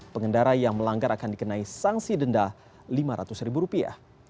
pengendara yang melanggar akan dikenai sanksi denda lima ratus ribu rupiah